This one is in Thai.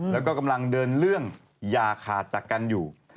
แล้วก็กำลังเดินเรื่องอย่าขาดจากกันอยู่